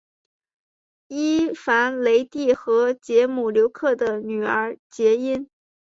伊凡雷帝和捷姆留克的女儿结姻。